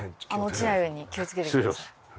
落ちないように気をつけてください。